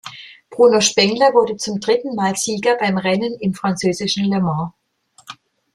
Bruno Spengler wurde zum dritten Mal Sieger beim Rennen im französischen Le Mans.